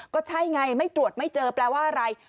ก็ใช่ไงไม่ตรวจไม่เจอแปลว่าอะไร